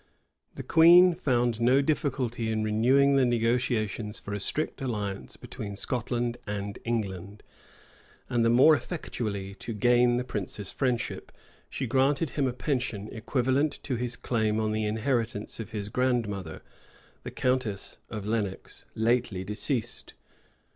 The queen, found no difficulty in renewing the negotiations for a strict alliance between Scotland and England; and the more effectually to gain the prince's friendship, she granted him a pension, equivalent to his claim on the inheritance of his grand mother, the countess of Lenox, lately deceased.